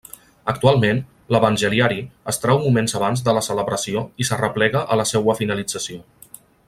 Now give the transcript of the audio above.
Actualment, l'evangeliari es trau moments abans de la celebració i s'arreplega a la seua finalització.